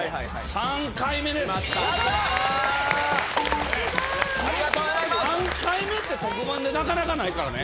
３回目って特番でなかなかないからね。